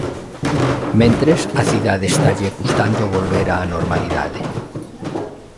Mentres, á cidade estalle custando volver á normalidade.